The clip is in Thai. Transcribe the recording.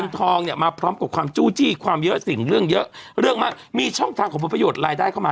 เดี๋ยวว่าชีวธรรม